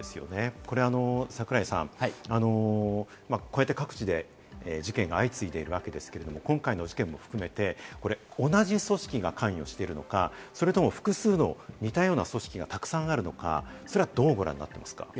櫻井さん、各地で事件が相次いでいるわけですけれども、今回の事件も含めて同じ組織が関与しているのか、それとも複数の似たような組織が沢山あるのか、どうご覧になっていますか？